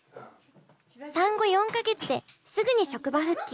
産後４か月ですぐに職場復帰。